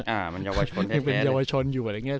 อ่ามันเยาวชนยังเป็นเยาวชนอยู่อะไรอย่างเงี้